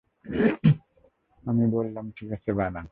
আমি বললাম, ঠিক আছে, বানান।